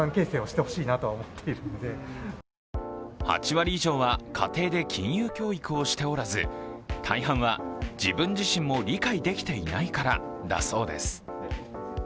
８割以上は家庭で金融教育をしておらず大半は自分自身も理解できていないからだそうです。